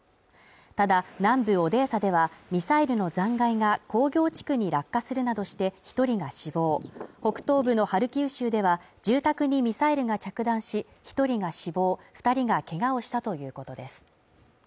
ただ、南部オデーサではミサイルの残骸が工業地区に落下するなどして１人が死亡、北東部のハルキウ州では、住宅にミサイルが着弾し、１人が死亡、２人がけがをしたということです。